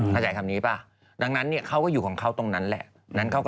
เข้าใจคำนี้ป่ะดังนั้นเขาก็อยู่ของเขาตรงนั้นแหละ